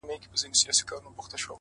خوني خنجر نه دى چي څوك يې پـټ كــړي.!